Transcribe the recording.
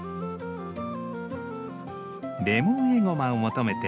レモンエゴマを求めて